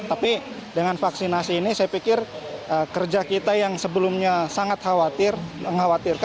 tapi dengan vaksinasi ini saya pikir kerja kita yang sebelumnya sangat khawatir